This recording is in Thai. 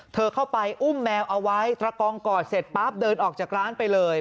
เข้าไปอุ้มแมวเอาไว้ตระกองกอดเสร็จปั๊บเดินออกจากร้านไปเลย